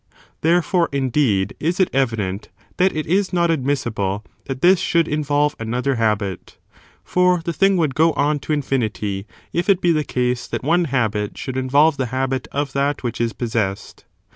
Therefore, indeed, is it evident that it is not admissible that this should involve another habit; for the thing would go on to infinity if it be the case that one habit should involve the habit of that which is possessed.